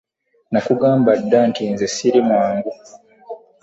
Nakugamba dd anti nze siri mwangu.